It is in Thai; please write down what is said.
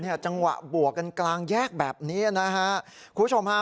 จังหวะบวกกันกลางแยกแบบนี้นะฮะคุณผู้ชมฮะ